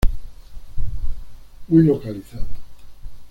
Muy localizado.